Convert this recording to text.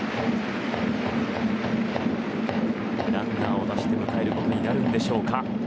ランナーを出して迎えることになるんでしょうか。